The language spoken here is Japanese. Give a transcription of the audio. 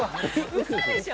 うそでしょ。